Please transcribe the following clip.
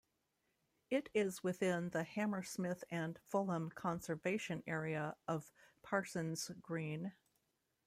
It is within the Hammersmith and Fulham Conservation Area of Parsons Green.